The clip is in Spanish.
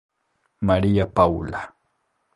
María Paula.